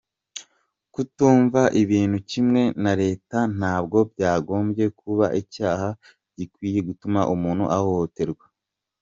Kutumva ibintu kimwe na leta ntabwo byagombye kuba icyaha gikwiye gutuma umuntu ahohoterwa.